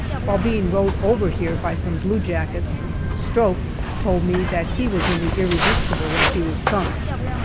While being rowed over here by some bluejackets, " stroke " told me that he was in the Irresistible when she was sunk.